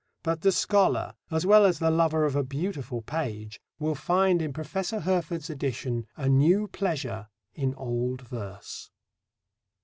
But the scholar, as well as the lover of a beautiful page, will find in Professor Herford's edition a new pleasure in old verse.